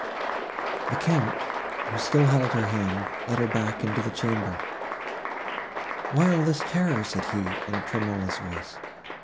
The Count, who still held her hand, led her back into the chamber. "Why all this terror?" said he, in a tremulous voice.